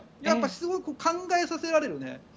やっぱりすごく考えさせられる。